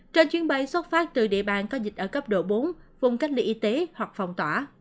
trên chuyến bay xuất phát từ địa bàn có dịch ở cấp độ bốn vùng cách ly y tế hoặc phong tỏa